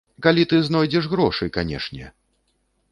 Калі ты знойдзеш грошы, канешне!